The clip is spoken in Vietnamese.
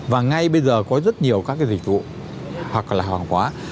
và ngay bây giờ có rất nhiều các cái dịch vụ hoặc là hàng hóa